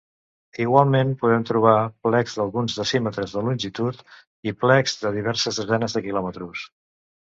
Igualment, podem trobar plecs d'alguns decímetres de longitud i plecs de diverses desenes de quilòmetres.